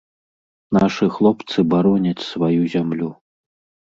Нашы хлопцы бароняць сваю зямлю.